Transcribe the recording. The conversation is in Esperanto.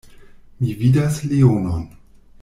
Mi vidas leonon.